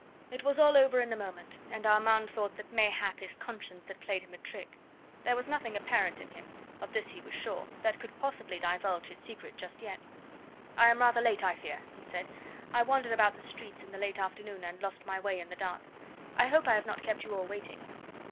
It was all over in a moment, and Armand thought that mayhap his conscience had played him a trick: there was nothing apparent in him of this he was sure that could possibly divulge his secret just yet. "I am rather late, I fear," he said. "I wandered about the streets in the late afternoon and lost my way in the dark. I hope I have not kept you all waiting."